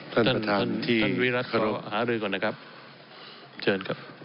ท่านประธานที่วิรัติขอหารือก่อนนะครับเชิญครับ